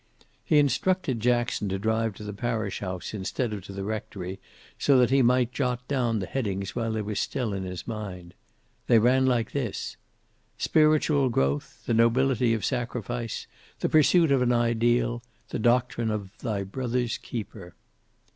He instructed Jackson to drive to the parish house instead of to the rectory, so that he might jot down the headings while they were in his mind. They ran like this: Spiritual growth; the nobility of sacrifice; the pursuit of an ideal; the doctrine of thy brother's keeper.